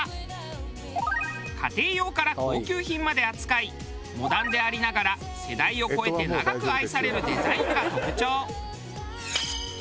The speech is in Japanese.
家庭用から高級品まで扱いモダンでありながら世代を超えて長く愛されるデザインが特徴。